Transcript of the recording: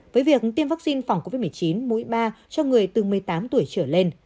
với việc tiêm vaccine phòng covid một mươi chín mũi ba cho người từ một mươi tám tuổi trở lên